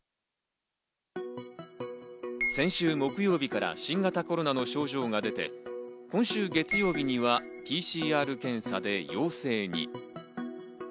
先週木曜日から新型コロナの症状が出て今週月曜日にはＰＣＲ検査で陽性に。